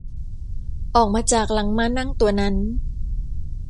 ออกมาจากหลังม้านั่งตัวนั้น